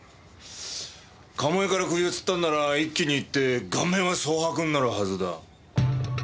鴨居から首をつったんなら一気に逝って顔面は蒼白になるはずだ。